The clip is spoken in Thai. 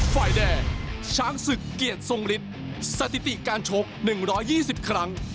ไฟแดงช้างศึกเกียจทรงฤทธิ์สถิติการชกหนึ่งร้อยยี่สิบครั้ง